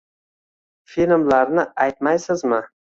Filmlarni aytmaysizmi